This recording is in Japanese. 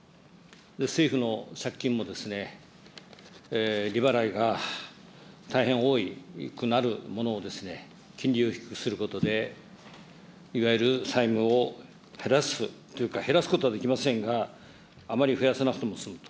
政府の借金も、利払いが大変多くなるものを金利を低くすることで、いわゆる債務を減らすというか、減らすことはできませんが、あまり増やさなくて済むと。